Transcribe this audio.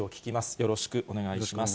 よろしくお願いします。